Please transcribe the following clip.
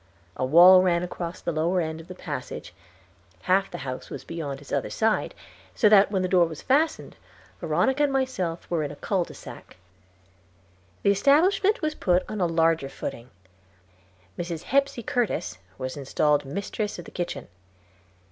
A wall ran across the lower end of the passage; half the house was beyond its other side, so that when the door was fastened, Veronica and myself were in a cul de sac. The establishment was put on a larger footing. Mrs. Hepsey Curtis was installed mistress of the kitchen.